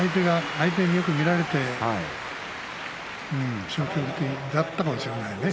相手によく見られて消極的だったかもしれないね。